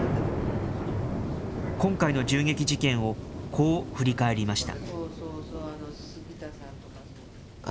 今回の銃撃事件をこう振り返りました。